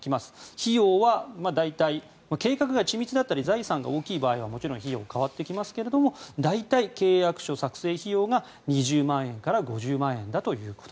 費用は大体計画が緻密だったり財産が大きい場合はもちろん費用が変わってきますが大体、契約書作成費用が２０万円から５０万円だと。